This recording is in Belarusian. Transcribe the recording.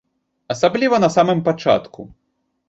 Асабліва на самым пачатку.